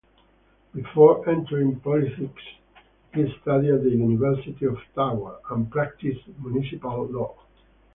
Before entering politics, he studied at the University of Ottawa and practised municipal law.